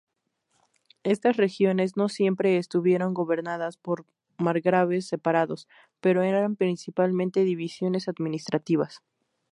Estas regiones no siempre estuvieron gobernadas por margraves separados, pero eran principalmente divisiones administrativas.